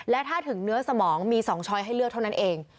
และถ้าถึงเนื้อสมองมี๒ช้อยให้เลือกเท่านั้นเอง